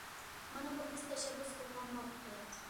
مانا بۇ بىز تەشەببۇس قىلىدىغان مۇۋەپپەقىيەت.